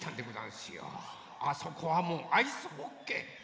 あそこはもうアイスホッケー。